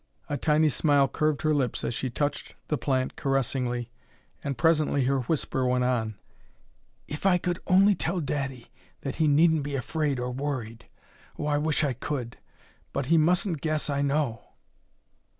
A tiny smile curved her lips as she touched the plant caressingly and presently her whisper went on: "If I could only tell daddy that he needn't be afraid or worried! Oh, I wish I could! But he mustn't guess I know."